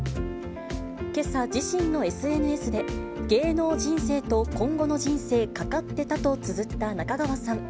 けさ、自身のＳＮＳで、芸能人生と今後の人生かかってたとつづった中川さん。